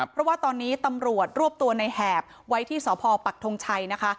เพราะว่าตอนนี้ตำรวจรวบตัวในแหบไว้ที่สพปักทงชัยนะคะ